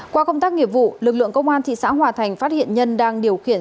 qua công tác nghiệp vụ lực lượng công an thị xã hòa thành phát hiện nhân đang điều khiển